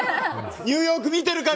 ニューヨーク見てるか？